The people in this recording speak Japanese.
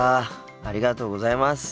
ありがとうございます。